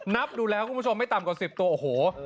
นับดูแล้วคุณผู้ชมไม่ต่ำกว่า๑๐ตัวโอ้โห